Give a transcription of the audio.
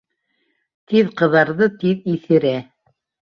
- Тиҙ ҡыҙарҙы, тиҙ иҫерә.